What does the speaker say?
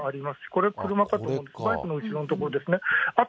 これ、車かと、バイクの後ろの所ですね。